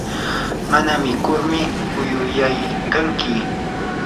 mana mikurmi uyuyaykanki.